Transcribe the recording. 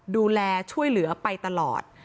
ดูแลช่วยเหลือไปตลอด